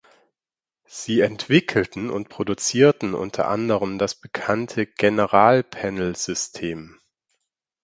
Sie entwickelten und produzierten unter anderem das bekannte General-Panel-System.